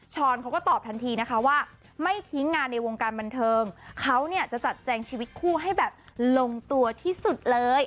เขาก็ตอบทันทีนะคะว่าไม่ทิ้งงานในวงการบันเทิงเขาเนี่ยจะจัดแจงชีวิตคู่ให้แบบลงตัวที่สุดเลย